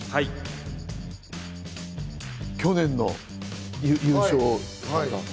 去年の優勝？